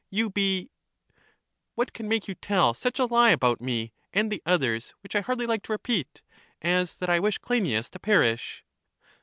You be . What can make you tell such a lie about me and the others, which I hardly like to repeat, as that I wish Cleinias to perish?